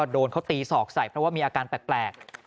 โดนเขาตีศอกใส่เพราะว่ามีอาการแปลก